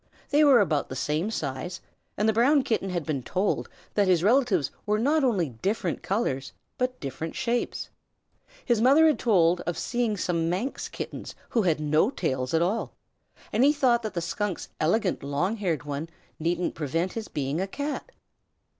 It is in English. They were about the same size, and the Brown Kitten had been told that his relatives were not only different colors, but different shapes. His mother had told of seeing some Manx Kittens who had no tails at all, and he thought that the Skunk's elegant long haired one needn't prevent his being a Cat.